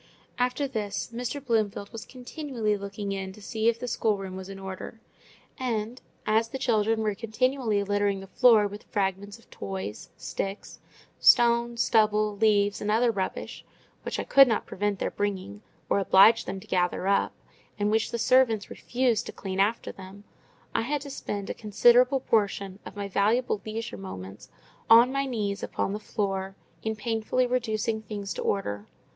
After this, Mr. Bloomfield was continually looking in to see if the schoolroom was in order; and, as the children were continually littering the floor with fragments of toys, sticks, stones, stubble, leaves, and other rubbish, which I could not prevent their bringing, or oblige them to gather up, and which the servants refused to "clean after them," I had to spend a considerable portion of my valuable leisure moments on my knees upon the floor, in painsfully reducing things to order.